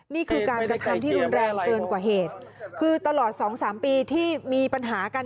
นี่คือการกระทำที่รุนแรงเกินกว่าเหตุคือตลอดสองสามปีที่มีปัญหากัน